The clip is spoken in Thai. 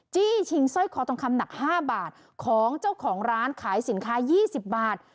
จี้ชิงเส้าข้อต่องคำหนักห้าบาทของเจ้าของร้านขายสินค้ายี่สิบบาท